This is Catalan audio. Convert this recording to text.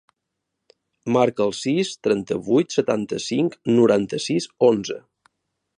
Marca el sis, trenta-vuit, setanta-cinc, noranta-sis, onze.